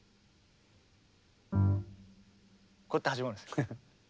こうやって始まるんですよ。